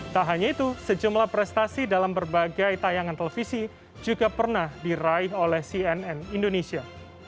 tak hanya itu sejumlah prestasi dalam berbagai tayangan televisi juga pernah diraih oleh cnn indonesia